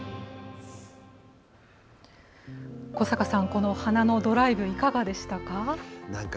古坂さん、花のドライブいかがでしたか？